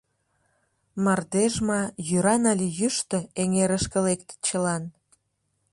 Мардеж ма, йӱран але йӱштӧ Эҥерышке лектыт чылан.